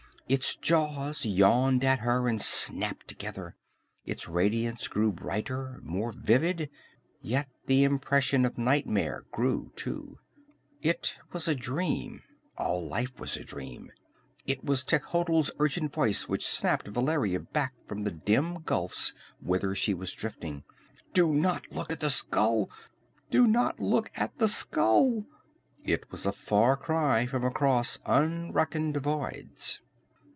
Its jaws yawned at her and snapped together. Its radiance grew brighter, more vivid, yet the impression of nightmare grew too; it was a dream; all life was a dream it was Techotl's urgent voice which snapped Valeria back from the dim gulfs whither she was drifting. "Do not look at the skull! Do not look at the skull!" It was a far cry from across unreckoned voids.